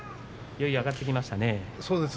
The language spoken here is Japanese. いよいよ上がってきましたね。